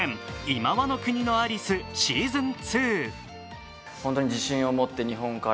「今際の国のアリス：シーズン２」。